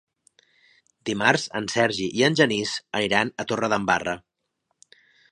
Dimarts en Sergi i en Genís aniran a Torredembarra.